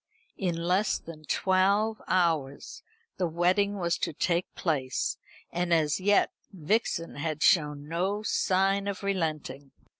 In less than twelve hours the wedding was to take place; and as yet Vixen had shown no sign of relenting.